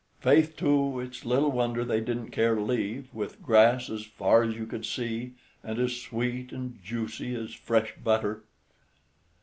Faith, too, it's little wonder they didn't care to leave, with grass as far as you could see, and as sweet and juicy as fresh butter."